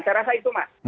saya rasa itu mas